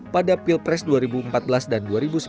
pada pilpres dua ribu empat belas dan dua ribu sembilan belas